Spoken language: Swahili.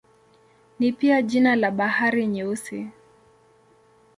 Ni pia jina la Bahari Nyeusi.